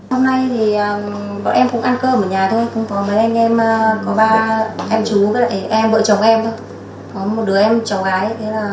hôm nay thì bọn em cũng ăn cơm ở nhà thôi cũng có mấy anh em có ba em chú với lại em vợ chồng em thôi có một đứa em cháu gái